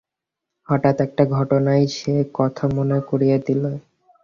হঠাৎ একটা ঘটনায় সে কথা মনে করিয়ে দিলে।